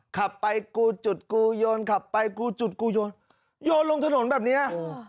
ขับไปกูจุดกูโยนขับไปกูจุดกูโยนโยนลงถนนแบบเนี้ย